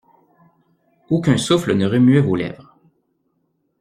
Aucun souffle ne remuait vos lèvres.